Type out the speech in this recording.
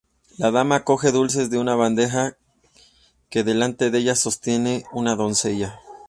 La dama coge dulces de una bandeja que delante de ella sostiene una doncella.